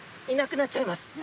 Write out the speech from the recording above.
いなくなっちゃいます。